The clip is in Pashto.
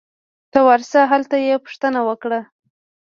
ته ورشه ! هلته یې پوښتنه وکړه